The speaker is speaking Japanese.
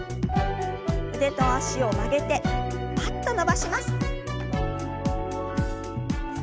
腕と脚を曲げてパッと伸ばします。